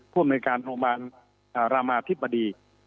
ผู้โมยการโรงบาลรามาร์ทฤบดี